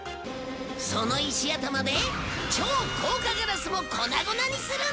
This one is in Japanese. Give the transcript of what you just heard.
その石頭で超硬化ガラスも粉々にするんだ